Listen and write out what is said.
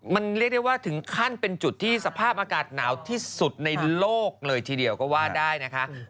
มันเรียกได้ว่าถึงขั้นเป็นจุดที่สภาพอากาศหนาวที่สุดในโลกเลยทีเดียวก็ว่าได้นะคะ